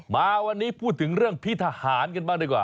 มาวันนี้พูดถึงเรื่องพี่ทหารกันบ้างดีกว่า